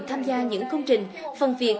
tham gia những công trình phần việc